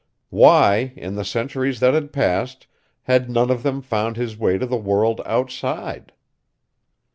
Why, in the centuries that had passed, had none of them found his way to the world outside?